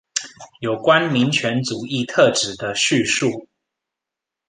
有關民權主義特質的敘述